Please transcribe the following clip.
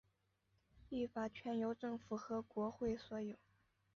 立法权由政府和国会所有。